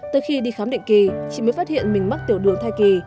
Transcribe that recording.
tới khi đi khám định kỳ chị mới phát hiện mình mắc tiểu đường thai kỳ